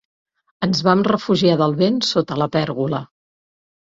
Ens vam refugiar del vent sota la pèrgola.